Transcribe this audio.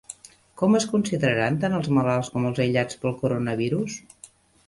Com es consideraran tant els malalts com els aïllats pel coronavirus?